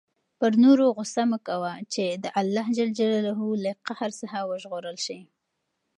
پر نورو غصه مه کوه چې د الله له قهر وژغورل شې.